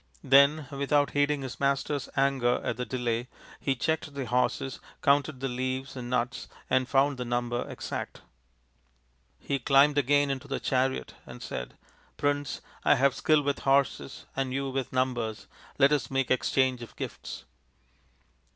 Then without heeding his master's anger at the delay he checked the horses, counted the leaves and nuts and found the number exact. He climbed again into the chariot, and said, "Prince, I have skill with horses and you with numbers. Let us make exchange of gifts."